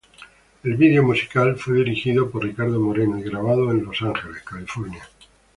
El video musical fue dirigido por Ricardo Moreno y grabado en Los Ángeles, California.